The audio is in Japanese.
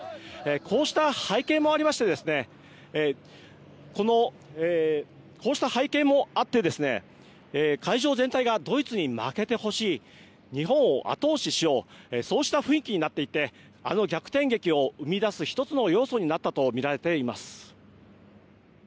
こうした背景もありまして会場全体がドイツに負けてほしい日本を後押ししようそうした雰囲気になっていてあの逆転劇を生み出す１つの要素になったとみられています。